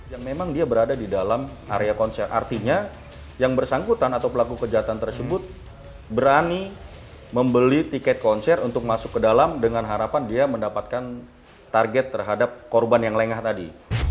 yang memang dia berada di dalam area konser artinya yang bersangkutan atau pelaku kejahatan tersebut berani membeli tiket konser untuk masuk ke dalam dengan harapan dia mendapatkan target terhadap korban yang lengah tadi